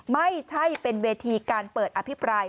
ไม่ใช่เป็นเวทีการเปิดอภิปราย